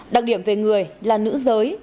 đặc điểm về người là nữ giới